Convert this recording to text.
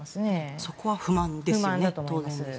そこは不満ですね。